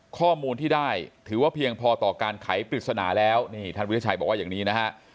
ข้อมูลที่ได้ถือว่าเพียงพอต่อการไขปริศนาแล้วนี่ท่านวิทยาชัยบอกว่าอย่างนี้นะฮะ